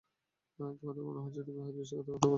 তোমার মনে হচ্ছে তুমি হয়তো বিশ্বাসঘাতকতা করতে পারো, তাই না?